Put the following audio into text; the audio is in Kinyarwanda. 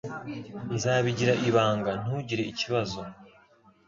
Nzabigira ibanga. Ntugire ikibazo.